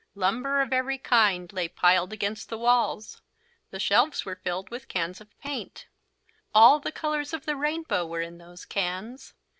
Lumber of every kind lay piled against the walls. The shelves were filled with cans of paint. All the colours of the rainbow were in those cans.